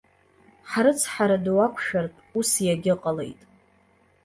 Ҳрыцҳара ду ақәшәартә, ус иагьыҟалеит.